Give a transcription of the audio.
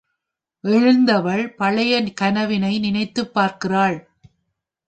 எழுந்தவள் பழைய கனவினை நினைத்துப் பார்க்கிறாள்.